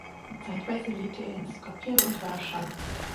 Zeitweise lebte er in Skopje und Warschau.